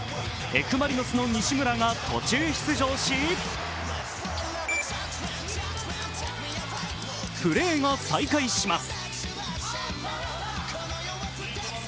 Ｆ・マリノスの西村が途中出場しプレーが再開します。